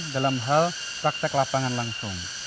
dalam hal praktek lapangan langsung